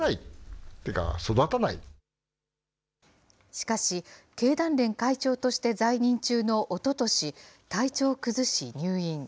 しかし、経団連会長として在任中のおととし、体調を崩し入院。